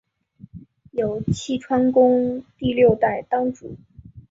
有栖川宫第六代当主。